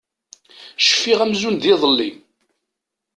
Cfiɣ amzun d iḍelli.